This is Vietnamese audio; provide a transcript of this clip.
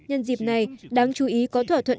nhân dịp này đáng chú ý có thỏa thuận